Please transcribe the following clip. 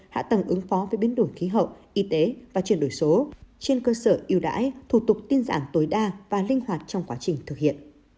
hạ tầng ứng phó với biến đổi khí hậu y tế và chuyển đổi số trên cơ sở yêu đãi thủ tục tin giảm tối đa và linh hoạt trong quá trình thực hiện